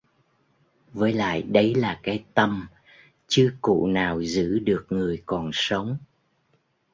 với lại đấy là cái tâm chứ cụ nào giữ được người còn sống